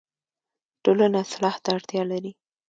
ټولنه اصلاح ته اړتیا لري